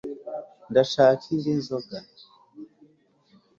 ndashaka indi nzoga